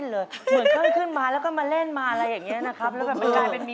แล้วคุณเป็นอะไรครับพวกเปิ้ม